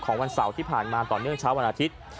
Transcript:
วันเสาร์ที่ผ่านมาต่อเนื่องเช้าวันอาทิตย์